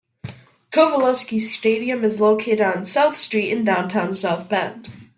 Coveleski Stadium is located on South Street in downtown South Bend.